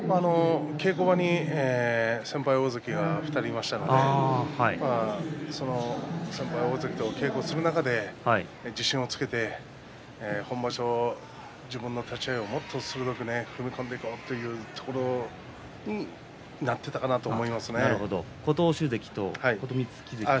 稽古場に先輩大関が２人いましたので先輩大関と稽古をする中で自信をつけて本場所、自分の立ち合いをもっと鋭く踏み込んでいこうというところになっていたかなと思います。